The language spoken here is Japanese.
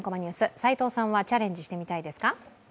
齋藤さんはチャレンジしてみたいですか？